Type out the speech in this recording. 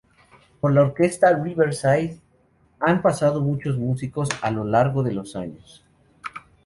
Por la Orquesta Riverside han pasado muchos músicos a lo largo de los años.